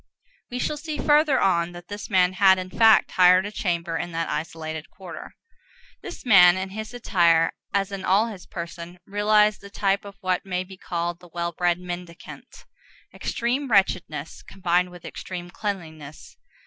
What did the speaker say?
We shall see further on that this man had, in fact, hired a chamber in that isolated quarter. This man, in his attire, as in all his person, realized the type of what may be called the well bred mendicant,—extreme wretchedness combined with extreme cleanliness.